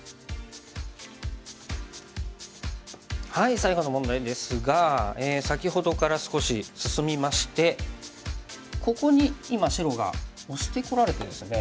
最後の問題ですが先ほどから少し進みましてここに今白がオシてこられてですね